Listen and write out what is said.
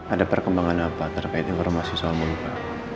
ada perkembangan apa terkait informasi soal moluka